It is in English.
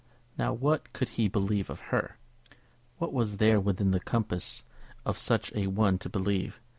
Now, what could he believe of her? What was there within the compass of such a one to believe?